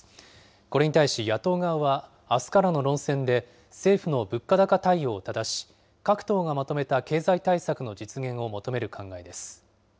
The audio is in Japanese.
これに対し野党側は、あすからの論戦で政府の物価高対応をただし、各党がまとめた経済対策の実現を求める考えです。